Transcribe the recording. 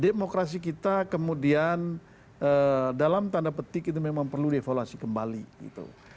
demokrasi kita kemudian dalam tanda petik itu memang perlu dievaluasi kembali gitu